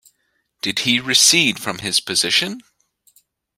Did he recede from his position?